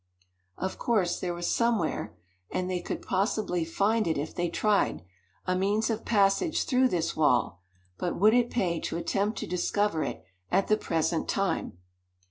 Of course there was somewhere and they could probably find it if they tried a means of passage through this wall; but would it pay to attempt to discover it at the present time?